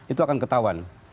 itu akan ketahuan